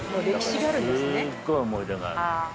すっごい思い出がある。